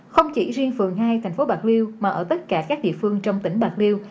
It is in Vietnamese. không chỉ riêng phường hai thành phố bạc liêu mà ở tất cả các địa phương trong tỉnh bạc liêu